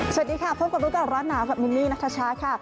ชาติดีค่ะพบกับรู้กันร้อนหนาวค่ะมินนี่นักทชาค่ะ